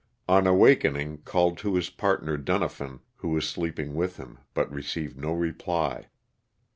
On awakening called to his partner Dunafin, who was sleeping with him, but received no reply.